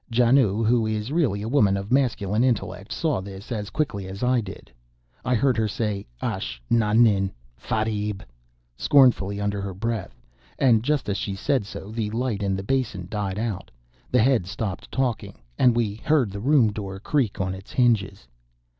Janoo, who is really a woman of masculine intellect, saw this as quickly as I did. I heard her say "Ash nahin! Fareib!" scornfully under her breath; and just as she said so, the light in the basin died out, the head stopped talking, and we heard the room door creak on its hinges.